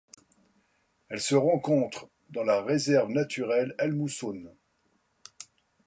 Elle se rencontre dans la réserve naturelle El Musún.